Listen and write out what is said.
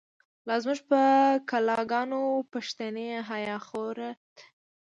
لا زمونږ په کلا گانو، پښتنی حیا خوره ده